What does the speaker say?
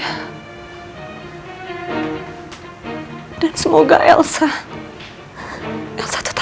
mudah mudahan semua ini cuma kekuatian ya ma